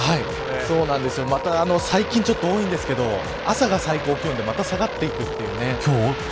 また最近ちょっと多いんですけど朝が最高気温でまた下がっていくというね。